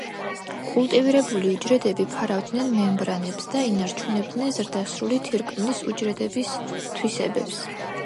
კულტივირებული უჯრედები ფარავდნენ მემბრანებს და ინარჩუნებდნენ ზრდასრული თირკმლის უჯრედების თვისებებს.